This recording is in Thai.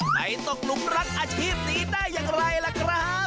ไปตกหลุมรักอาชีพนี้ได้อย่างไรล่ะครับ